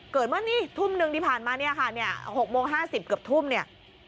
เมื่อนี่ทุ่มหนึ่งที่ผ่านมาเนี่ยค่ะเนี่ย๖โมง๕๐เกือบทุ่มเนี่ย